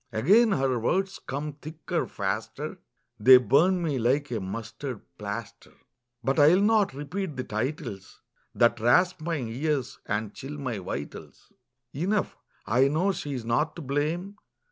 Again her words come thicker, faster, They burn me like a mustard plaster. But I will not repeat the titles That rasp my ears and chill my vitals. Enough, I know she's not to blame.